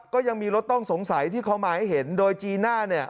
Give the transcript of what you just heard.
ก็ยังมีรถต้องสงสัยที่เขามาให้เห็นโดยจีน่าเนี่ย